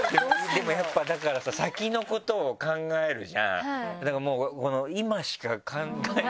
でもやっぱだからさ先のことを考えるじゃん。